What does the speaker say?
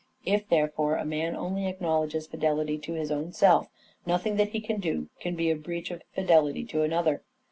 If, therefore, a man only acknowledges fidelity to his own self, nothing that he can do can be a breach of fidelity to another.